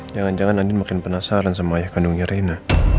jangan jangan andi makin penasaran sama ayah kandungnya rena